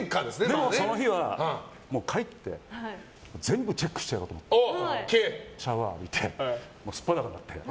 でもその日は帰って全部チェックしてやろうと思ってシャワー浴びて素っ裸になって。